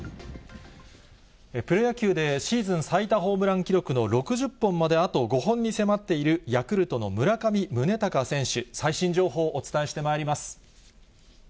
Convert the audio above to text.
プロ野球でシーズン最多ホームラン記録の６０本まであと５本に迫っているヤクルトの村上宗隆選手、最新情報をお伝えしてまいります。